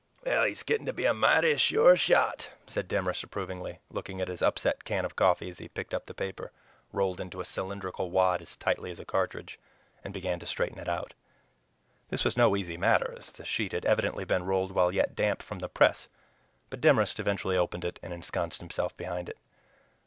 "He's getting to be a mighty sure shot," said Demorest approvingly, looking at his upset can of coffee as he picked up the paper, rolled into a cylindrical wad as tightly as a cartridge, and began to straighten it out. This was no easy matter, as the sheet had evidently been rolled while yet damp from the press; but Demorest eventually opened it and ensconced himself behind it.